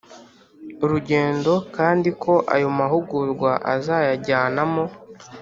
rugendo kandi ko ayo mahugurwa azayajyanamo